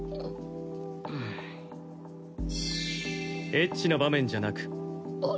エッチな場面じゃなく。